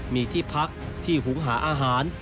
มีที่พักที่หุงหาอาหาร